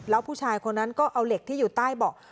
แล้วผู้ชายคนนั้นก็เอาเหล็กที่อยู่ใต้เบาะ